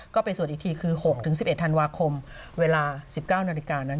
ก็ไปสวดอีกทีคือ๖๑๑ธันวาคมเวลา๑๙นาฬิกานั้น